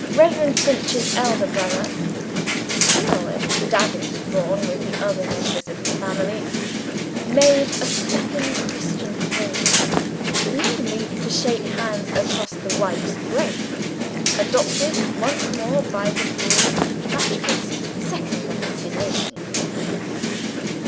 Reverend Finch's elder brother (still at daggers drawn with the other members of the family) made a second Christian proposal namely to shake hands across the wife's grave. Adopted once more by the bereaved Batchfords. Second reconciliation.